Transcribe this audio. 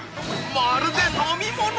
まるで飲み物！？